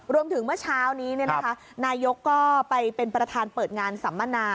เมื่อเช้านี้นายกก็ไปเป็นประธานเปิดงานสัมมนา